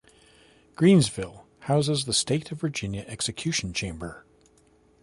Greensville houses the State of Virginia execution chamber.